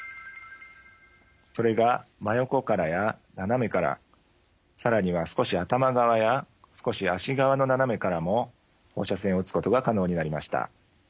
それが真横からや斜めから更には少し頭側や少し脚側の斜めからも放射線をうつことが可能になりました。